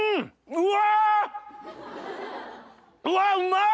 うわうまい！